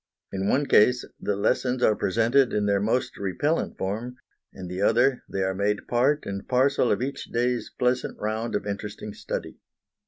In the one case the lessons are presented in their most repellent form, in the other they are made part and parcel of each day's pleasant round of interesting study.